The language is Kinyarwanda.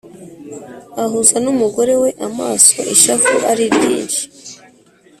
ahuza n’umugorewe amaso ishavu ariryinshi.